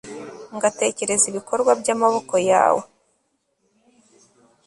ngatekereza ibikorwa by'amaboko yawe